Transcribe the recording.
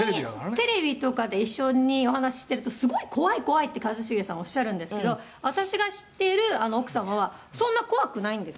「テレビとかで一緒にお話ししてるとすごい怖い怖いって一茂さんおっしゃるんですけど私が知っている奥様はそんな怖くないんですよ」